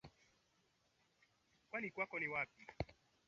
walichagua kiongozi mfanya kazi